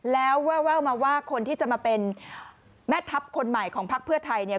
แล้วแววมาว่าคนที่จะมาเป็นแม่ทัพคนใหม่ของพักเพื่อไทยเนี่ย